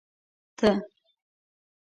ته